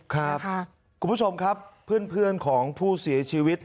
คุณผู้ชมครับเพื่อนของผู้เสียชีวิต